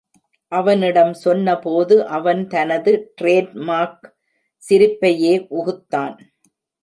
அவனிடம் சொன்ன போது, அவன் தனது டிரேட் மார்க் சிரிப்பையே உகுத்தான்.